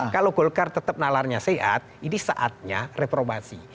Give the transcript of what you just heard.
kalau golkar tetap nalarnya sehat ini saatnya reformasi